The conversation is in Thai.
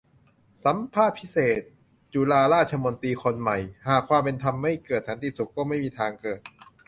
สัมภาษณ์พิเศษ จุฬาราชมนตรีคนใหม่ : หากความเป็นธรรมไม่เกิด สันติสุขก็ไม่มีทางเกิด